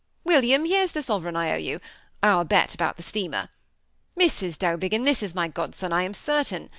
William, here's the sovereign I owe you — our bet about the steamer. Mrs. Dowbiggin, this is my godson, I am certain.